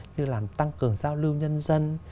như làm tăng cường giao lưu nhân dân